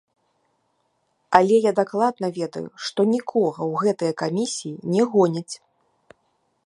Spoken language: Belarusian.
Але я дакладна ведаю, што нікога ў гэтыя камісіі не гоняць.